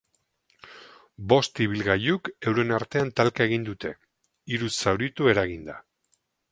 Bost ibilgailuk euren artean talka egin dute, hiru zauritu eraginda.